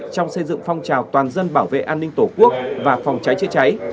trong xây dựng phong trào toàn dân bảo vệ an ninh tổ quốc và phòng cháy chữa cháy